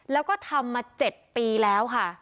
แล้วก็ทำมา๗ปีแล้วค่ะ